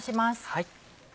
はい。